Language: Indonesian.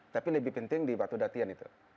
tapi lebih penting di waktu latihan itu